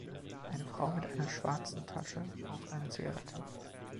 Eine Frau mit einer schwarzen Tasche raucht eine Zigarette